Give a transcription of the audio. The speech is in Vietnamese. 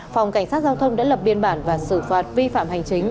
phòng cảnh sát giao thông đã lập biên bản và xử phạt vi phạm hành chính